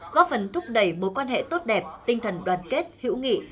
góp phần thúc đẩy mối quan hệ tốt đẹp tinh thần đoàn kết hữu nghị